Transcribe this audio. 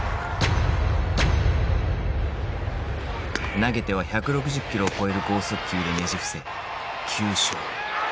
投げては１６０キロを超える剛速球でねじ伏せ９勝。